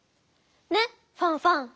ねファンファン。